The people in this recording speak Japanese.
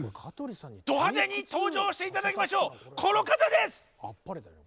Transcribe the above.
ド派手に登場して頂きましょうこの方です！